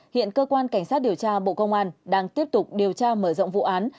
hiện cơ quan cảnh sát điều tra bộ công an đang tiếp tục điều tra mở rộng vụ án